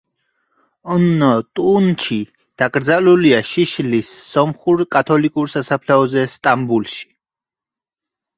ონნო ტუნჩი დაკრძალულია შიშლის სომხურ კათოლიკურ სასაფლაოზე, სტამბულში.